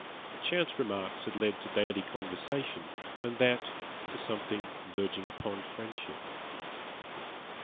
Chance remarks had led to daily conversation, and that to something verging upon friendship.